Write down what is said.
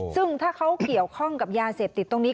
ซึ่งถ้าเขาเกี่ยวข้องกับยาเสพติดตรงนี้